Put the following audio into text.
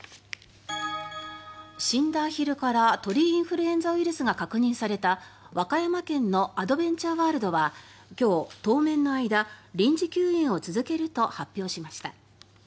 死んだアヒルから鳥インフルエンザウイルスが確認された和歌山県のアドベンチャーワールドは今日当面の間、臨時休園を続けると発表しました。